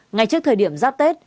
ngay trước thời điểm giáp tết